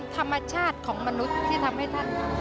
สวัสดีครับ